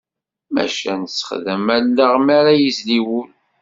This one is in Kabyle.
Maca nessexdam allaɣ mi ara yezli wul.